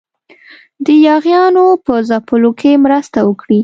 د یاغیانو په ځپلو کې مرسته وکړي.